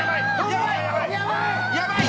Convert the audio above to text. やばい！